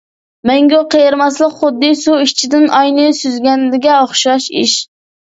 مەڭگۈ قېرىماسلىق خۇددى سۇ ئىچىدىن ئاينى سۈزگەنگە ئوخشاش ئىش.